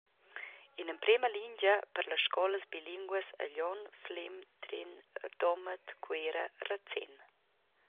En emprema lingia per las scolas bilinguas a Glion, Flem, Trin, Domat, Cuera, Razén.